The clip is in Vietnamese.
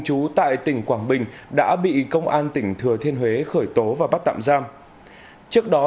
chú tại tỉnh quảng bình đã bị công an tỉnh thừa thiên huế khởi tố và bắt tạm giam trước đó